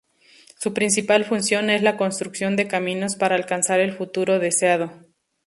Su principal función es la construcción de caminos para alcanzar el futuro deseado.